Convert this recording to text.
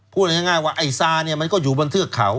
พูดง่ายว่าไอ้ซาเนี่ยมันก็อยู่บนเทือกเขา